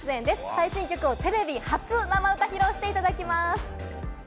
最新曲をテレビ初生歌披露していただきます。